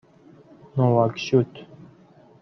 نواکشوت